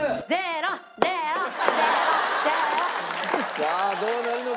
さあどうなるのか。